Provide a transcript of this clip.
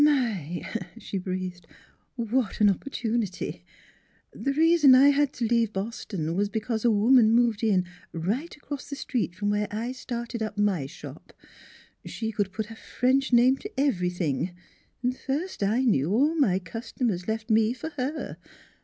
" My! " she breathed, "what an opportunity! The reason I had to leave Boston was because a woman moved in right across the street from where I started up my shop. She could put a French name to everything, and first I knew all my customers left me for her.